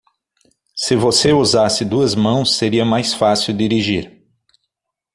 Se você usasse duas mãos, seria mais fácil dirigir.